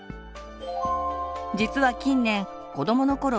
実は近年子どものころ